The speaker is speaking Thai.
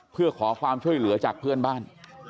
เพื่อขอความช่วยเหลือจากเพื่อนบ้าน